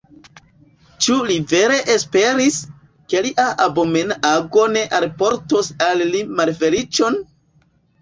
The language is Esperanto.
Ĉu li vere esperis, ke lia abomena ago ne alportos al li malfeliĉon?